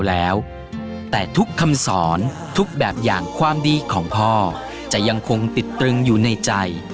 แล้วแต่ทุกคำสอนทุกแบบอย่างความดีของพ่อจะยังคงติดตรึงอยู่ในใจ